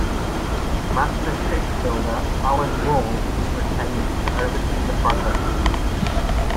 Master shipbuilder Allan Rawl was retained to oversee the project.